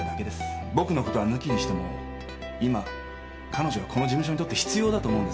僕のことは抜きにしても今彼女はこの事務所にとって必要だと思うんです。